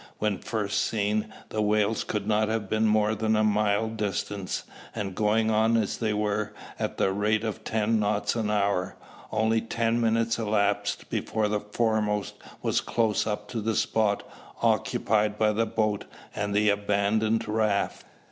When first seen, the whales could not have been more than a mile distant: and going on as they were, at the rate of ten knots an hour, only ten minutes elapsed before the foremost was close up to the spot occupied by the boat and the abandoned raft.